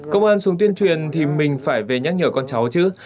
công an xuống tuyên truyền thì mình phải về nhắc nhở con cháu chứ